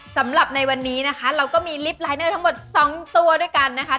สำหรับในวันนี้นะคะเราก็มีลิฟต์ลายเนอร์ทั้งหมด๒ตัวด้วยกันนะคะ